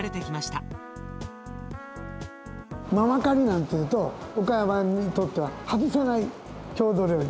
ままかりなんていうと岡山にとっては外せない郷土料理。